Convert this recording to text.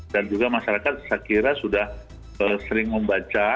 dan juga masyarakat saya kira sudah sering membaca